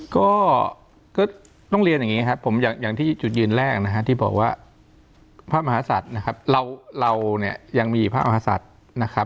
ก็ต้องเรียนอย่างนี้ครับผมอย่างที่จุดยืนแรกนะฮะที่บอกว่าพระมหาศัตริย์นะครับเราเนี่ยยังมีพระมหาศัตริย์นะครับ